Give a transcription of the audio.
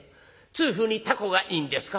「痛風にタコがいいんですか？」。